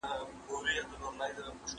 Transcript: اقتصاد د بازارونو فعالیتونه تحلیلوي.